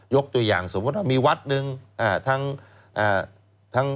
ยกตัวอย่างสมมุติว่ามีวัดหนึ่งทั้ง